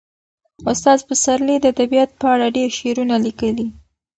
استاد پسرلي د طبیعت په اړه ډېر شعرونه لیکلي.